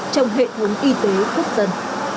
trong hệ thống y tế quốc dân